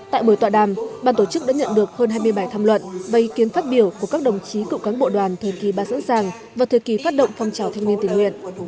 tại buổi tọa đàm ban tổ chức đã nhận được hơn hai mươi bài tham luận và ý kiến phát biểu của các đồng chí cựu cán bộ đoàn thời kỳ ba sẵn sàng và thời kỳ phát động phong trào thanh niên tình nguyện